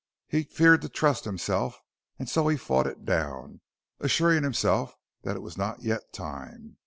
He feared to trust himself and so he fought it down, assuring himself that it was not yet time.